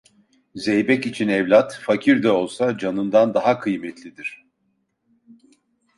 Zeybek için evlat, fakir de olsa canından daha kıymetlidir.